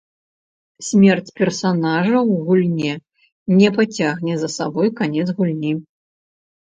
Смерць персанажа ў гульне не пацягне за сабой канец гульні.